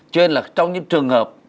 cho nên là trong những trường hợp